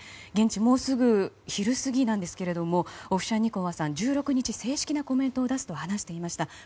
現地、もう昼過ぎなんですがオフシャンニコワさんは１６日、正式なコメントを出すと話していました。